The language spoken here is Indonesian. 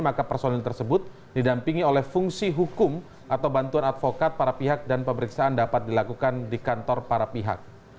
maka personil tersebut didampingi oleh fungsi hukum atau bantuan advokat para pihak dan pemeriksaan dapat dilakukan di kantor para pihak